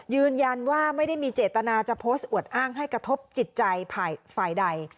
ยืนยันว่าไม่ได้มีเจตนาจะโพสต์อวดอ้างให้กระทบจิตใจฝ่ายใด